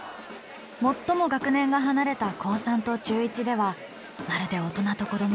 最も学年が離れた高３と中１ではまるで大人と子どもです。